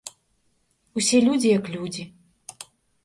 Усе людзі як людзі.